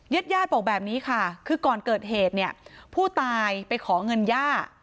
เย็ดย่าปกแบบนี้ค่ะคือก่อนเกิดเหตุผู้ตายไปของเงินย่า